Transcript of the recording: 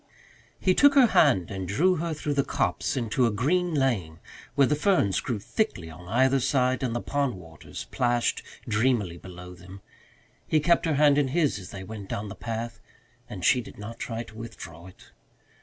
He took her hand and drew her through the copse into a green lane, where the ferns grew thickly on either side and the pond waters plashed dreamily below them. He kept her hand in his as they went down the path, and she did not try to withdraw it.